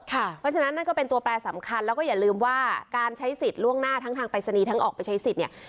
เพราะฉะนั้นนั่นก็เป็นตัวแปรสำคัญแล้วก็อย่าลืมว่าการใช้สิทธิ์ล่วงหน้าทั้งทางปรายศนีย์ทั้งออกไปใช้สิทธิ์เนี่ย